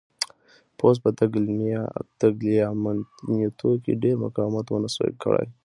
پوځ په تګلیامنیتو کې ډېر مقاومت ونه شوای کړای.